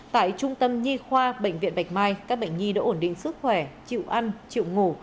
tại trung tâm nhi khoa bệnh viện bạch mai các bệnh nhi đã ổn định sức khỏe chịu ăn chịu ngủ